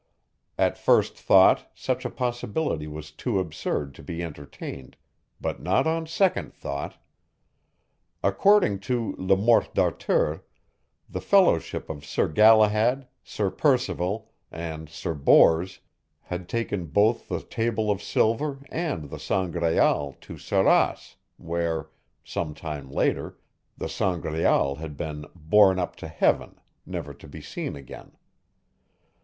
At first thought, such a possibility was too absurd to be entertained, but not on second thought. According to Le Morte d'Arthur, the fellowship of Sir Galahad, Sir Percivale, and Sir Bors had taken both the table of silver and the Sangraal to Sarras where, some time later, the Sangraal had been "borne up to heaven", never to be seen again.